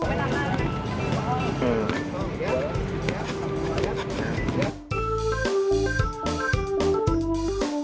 วันนี้ทำยังไงนะทีนี้